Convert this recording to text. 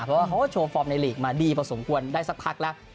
เพราะว่าเขาก็โชว์ฟอร์มในลีกมาดีพอสมควรได้สักพักแล้ว